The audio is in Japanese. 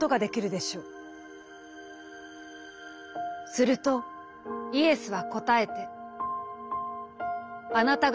「するとイエスは答えて」。